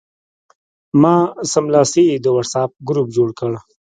ما سملاسي د وټساپ ګروپ جوړ کړ.